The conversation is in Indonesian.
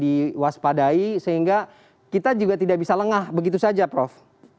kita harus kewaspadai sehingga kita juga tidak bisa lengah begitu saja prof